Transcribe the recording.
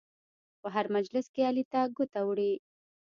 په هر مجلس کې علي ته ګوته وړي.